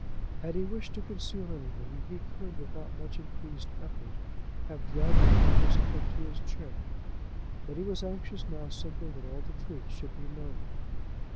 Had he wished to conceal anything, he could without much increased effort have dragged the Marquis up into his chair; but he was anxious now simply that all the truth should be known.